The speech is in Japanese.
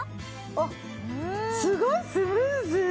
あっすごいスムーズ！